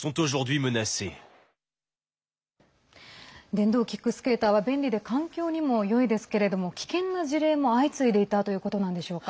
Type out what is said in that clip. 電動キックスケーターは便利で環境にもよいですけれども危険な事例も相次いでいたということなんでしょうか。